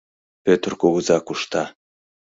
Пӧтыр кугыза кушта.